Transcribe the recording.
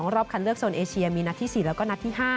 รอบคันเลือกโซนเอเชียมีนัดที่๔แล้วก็นัดที่๕